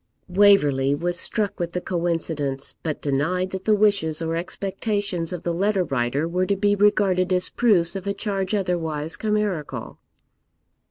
Waverley was struck with the coincidence, but denied that the wishes or expectations of the letter writer were to be regarded as proofs of a charge otherwise chimerical.